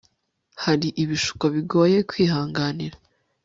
hari ibishuko bigoye kwihanganira